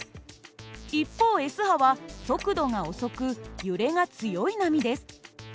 一方Ｓ波は速度が遅く揺れが強い波です。